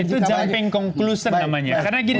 itu jumping conclusion namanya